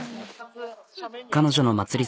彼女の祭り